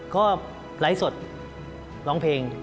ก็ไลฟ์สดร้องเพลง